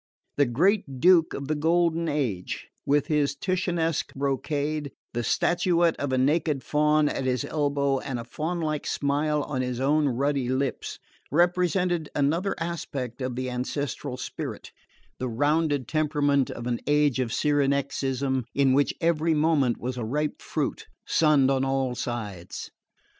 The great Duke of the "Golden Age," in his Titianesque brocade, the statuette of a naked faun at his elbow, and a faun like smile on his own ruddy lips, represented another aspect of the ancestral spirit: the rounded temperament of an age of Cyrenaicism, in which every moment was a ripe fruit sunned on all sides.